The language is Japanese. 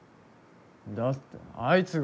だってあいつが。